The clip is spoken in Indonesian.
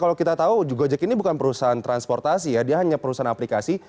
kalau kita tahu gojek ini bukan perusahaan transportasi ya dia hanya perusahaan aplikasi